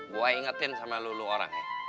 gue ingetin sama lu orang ya